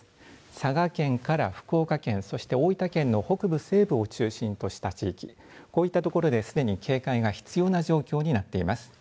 佐賀県から福岡県そして大分県の北部、西部を中心とした地域こういった所ですでに警戒が必要な状況になっています。